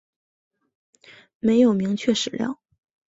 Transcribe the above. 没有明确史料